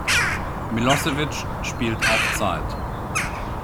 Milosevic spielt auf Zeit.